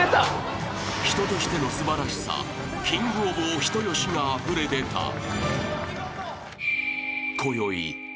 ［人としての素晴らしさキングオブお人よしがあふれ出た］